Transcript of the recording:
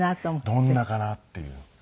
どんなかなっていう。